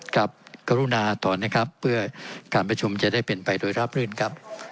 ครับกรุณาต่อนะครับเพื่อการประชุมจะได้เป็นไปโดยราบรื่นครับ